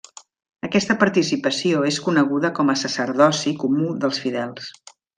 Aquesta participació és coneguda com a sacerdoci comú dels fidels.